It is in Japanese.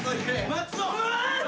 松尾。